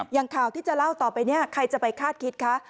อย่างข่าวที่จะเล่าต่อไปเนี่ยใครจะไปคาดคิดคะ